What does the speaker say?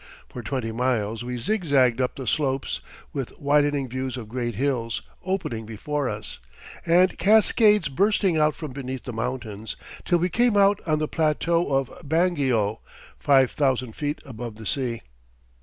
For twenty miles we zigzagged up the slopes, with widening views of great hills opening before us, and cascades bursting out from beneath the mountains, till we came out on the plateau of Baguio, five thousand feet above the sea.